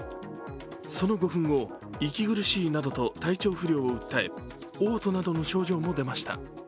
その５分後、息苦しいなどと体調不良を訴え、おう吐などの症状も出ました。